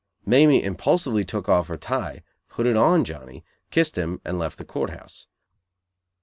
Mamie impulsively took off her tie, put it on Johnny, kissed him, and left the Court house.